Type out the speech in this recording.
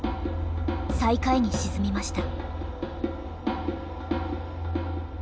最下位に沈みました。